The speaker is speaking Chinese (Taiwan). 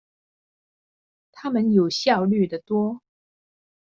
他們有效率的多